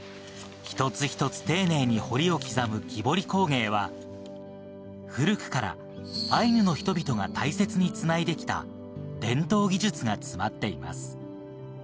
一つ一つ丁寧に彫りを刻む木彫り工芸は古くからアイヌの人々が大切につないできた伝統技術が詰まっています。